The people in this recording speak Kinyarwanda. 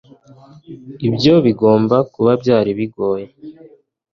ibyo bigomba kuba byari bigoye